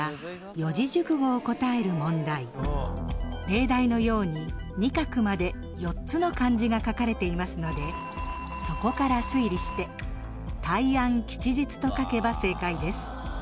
例題のように二画まで４つの漢字が書かれていますのでそこから推理して「大安吉日」と書けば正解です。